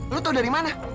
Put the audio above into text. lo tau dari mana